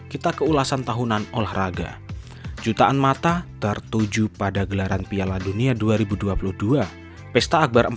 kita keulasan tahunan olahraga jutaan mata tertuju pada gelaran piala dunia dua ribu dua puluh dua pesta akbar empat